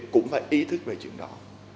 cũng phải ý thức về chuyện đó